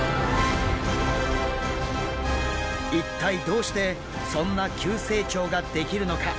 一体どうしてそんな急成長ができるのか？